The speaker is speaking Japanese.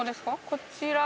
こちら。